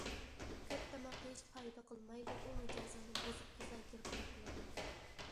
كۆپ تاماق يېيىش پايدا قىلمايدۇ، ئۇ مىجەزىڭنى بۇزۇپ كېسەلگە گىرىپتار قىلىدۇ.